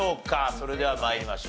それでは参りましょう。